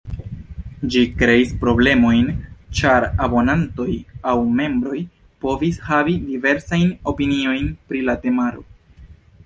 Ĝi kreis problemojn, ĉar abonantoj aŭ membroj povis havi diversajn opiniojn pri la temaro.